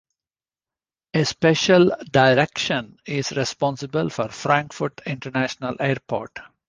A special "Direktion" is responsible for Frankfurt International Airport.